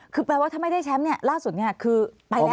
คือแปลว่าถ้าไม่ได้แชมป์ล่าสุดคือไปแล้ว